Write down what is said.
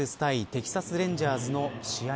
テキサス・レンジャーズの試合